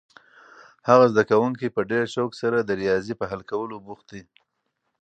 هغه زده کوونکی په ډېر شوق سره د ریاضي په حل کولو بوخت دی.